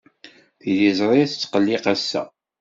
Tiliẓri tesqelliq ass-a.